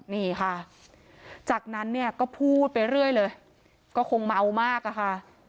นี่ค่ะจากนั้นเนี่ยก็พูดไปเรื่อยเลยก็คงเมามากอะค่ะ